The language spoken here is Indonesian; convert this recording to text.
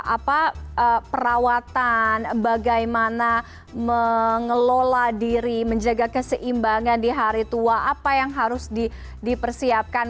apa perawatan bagaimana mengelola diri menjaga keseimbangan di hari tua apa yang harus dipersiapkan